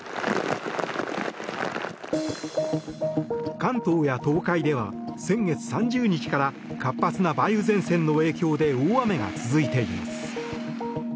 関東や東海では先月３０日から活発な梅雨前線の影響で大雨が続いています。